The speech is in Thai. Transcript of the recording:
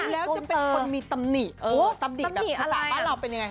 แล้วจะเป็นคนมีตำหนิตำหนิแบบภาษาบ้านเราเป็นยังไง